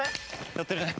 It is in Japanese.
寄ってるね。